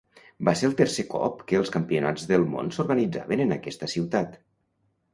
Va ser el tercer cop que els campionats del món s'organitzaven en aquesta ciutat.